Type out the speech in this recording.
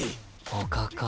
おかか。